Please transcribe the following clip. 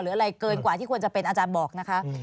อะไรเกินกว่าที่ควรจะเป็นอาจารย์บอกนะคะ